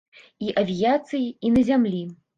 І авіяцыяй, і на зямлі.